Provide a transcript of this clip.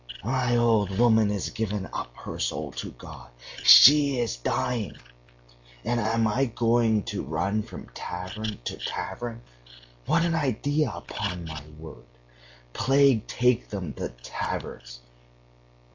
My old woman is giving up her soul to God, she is dying, and am I going to run from tavern to tavern! What an idea, upon my word! Plague take them, the taverns!